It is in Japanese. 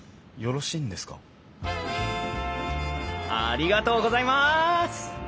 ありがとうございます！